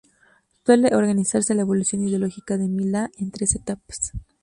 Suele organizarse la evolución ideológica de Milá en tres etapas.